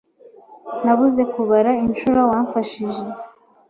Nabuze kubara inshuro wamfashije.